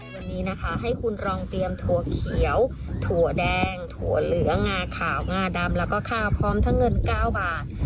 วันนี้นะคะให้คุณลองเตรียมถั่วเขียวถั่วแดงถั่วเหลืองาขาวงาดำแล้วก็ข้าวพร้อมทั้งเงิน๙บาท